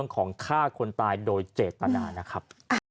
ของฆ่าคนตายโดยเจตนานะครับ